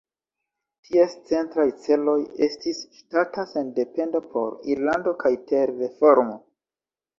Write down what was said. Ties centraj celoj estis ŝtata sendependo por Irlando kaj ter-reformo.